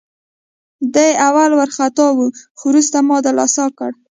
دی اول وارخطا وه، خو وروسته مې دلاسا کړه.